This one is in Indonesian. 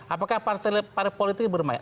apakah partai politik bermain